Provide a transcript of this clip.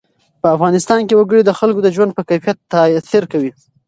په افغانستان کې وګړي د خلکو د ژوند په کیفیت تاثیر کوي.